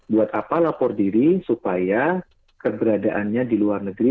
buat apa lapor diri supaya keberadaannya di luar negeri